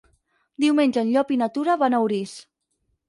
Diumenge en Llop i na Tura van a Orís.